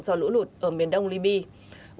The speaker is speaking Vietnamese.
do lũ lụt ở miền đông libya